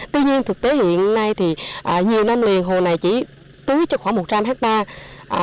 tuy nhiên thực tế hiện nay thì nhiều năm liền hồ này chỉ tưới cho khoảng một trăm linh hectare